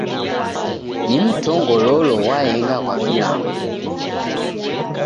Ni mtongololo ghwaenga ghwa vilambo.